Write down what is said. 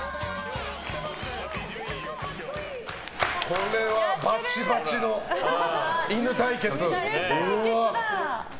これは、バチバチの犬対決。